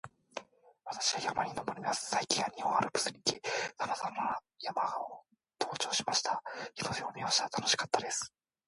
私は山に登ります。最近は日本アルプスに行き、さまざまな山を登頂しました。日の出も見ました。楽しかったです